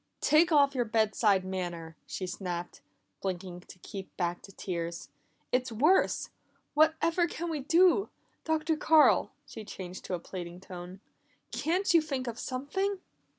"Take off your bed side manner!" she snapped, blinking to keep back the tears. "It's worse! What ever can we do? Dr. Carl," she changed to a pleading tone, "can't you think of something?"